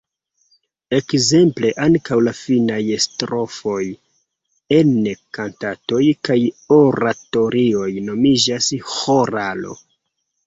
Ekzemple ankaŭ la finaj strofoj en kantatoj kaj oratorioj nomiĝas „ĥoralo“.